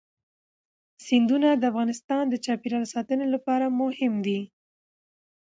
سیندونه د افغانستان د چاپیریال ساتنې لپاره مهم دي.